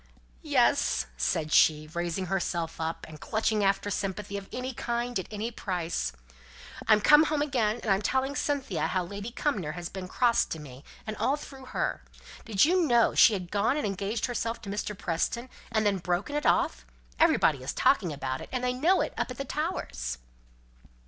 "Yes!" said she, raising herself up, and clutching after sympathy of any kind, at any price. "I'm come home again, and I'm telling Cynthia how Lady Cumnor has been so cross to me, and all through her. Did you know she had gone and engaged herself to Mr. Preston, and then broken it off? Everybody is talking about it, and they know it up at the Towers."